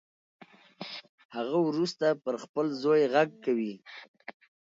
هغه وروسته پر خپل زوی غږ کوي